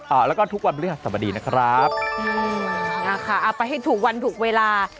เอาละค่ะเอาบ้างให้ถูกวันถูกเวลา